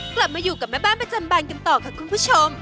กลับมาอยู่กับแม่บ้านประจำบานกันต่อค่ะคุณผู้ชม